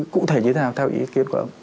cụ thể như thế nào theo ý kiến của ông